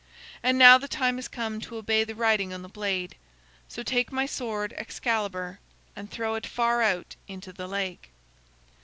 And now the time has come to obey the writing on the blade. So take my sword Excalibur, and throw it far out into the lake."